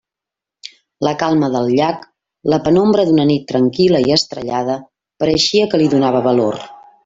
La calma del llac, la penombra d'una nit tranquil·la i estrellada, pareixia que li donava valor.